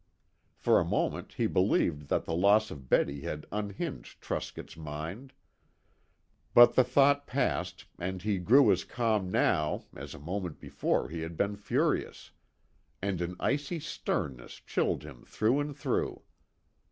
For a moment he believed that the loss of Betty had unhinged Truscott's mind. But the thought passed, and he grew as calm now as a moment before he had been furious, and an icy sternness chilled him through and through.